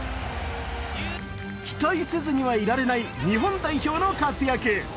期待せずにはいられない日本代表の活躍。